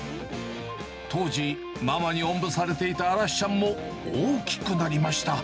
当時、ママにおんぶされていた嵐士ちゃんも大きくなりました。